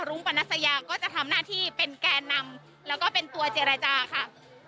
ปรณสยาก็จะทำหน้าที่เป็นแก่นำแล้วก็เป็นตัวเจรจาค่ะ